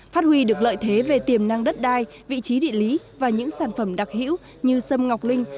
phát huy được lợi thế về tiềm năng đất đai vị trí địa lý và những sản phẩm đặc hữu như sâm ngọc linh